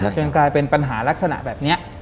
จนกลายเป็นปัญหาลักษณะแบบนี้